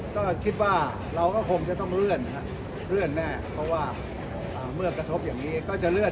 ก็คิดว่าเราก็คงจะต้องเลื่อนครับเลื่อนแน่เพราะว่าเมื่อกระทบอย่างนี้ก็จะเลื่อน